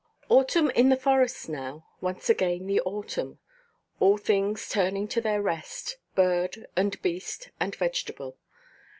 Autumn in the Forest now, once again the autumn. All things turning to their rest, bird, and beast, and vegetable.